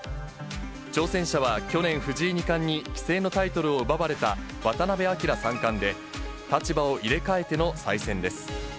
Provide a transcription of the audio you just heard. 挑戦者は、去年藤井二冠に棋聖のタイトルを奪われた渡辺明三冠で、立場を入れ替えての再戦です。